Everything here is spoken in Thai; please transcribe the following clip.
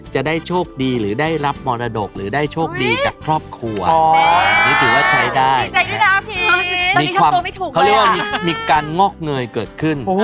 จะได้โชคดีหรือได้รับมรดก